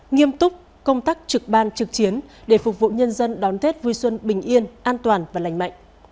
nghiêm túc công tắc trực ban trực chiến để phục vụ nhân dân đón tết vui xuân bình yên an toàn và lành mạnh